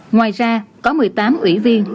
ngoài ra có một mươi tám ủy viên